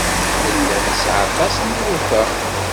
Nella nesɛa aṭas n yiruka.